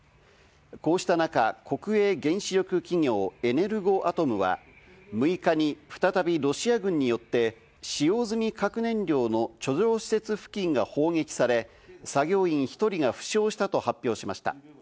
こうした中、国営原子力企業エネルゴアトムは６日に再びロシア軍によって使用済み核燃料の貯蔵施設付近が砲撃され、作業員１人が負傷したと発表しました。